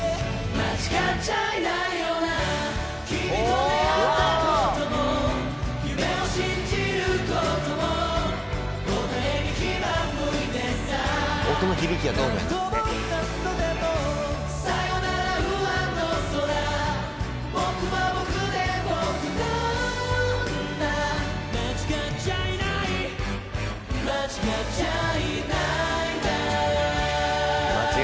「間違っちゃいない間違っちゃいないんだ」